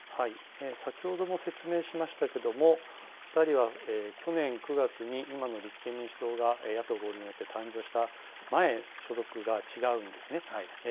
先ほども説明しましたけれども、２人は去年９月に今の立憲民主党が野党合流によって誕生した前、所属が違うんですね。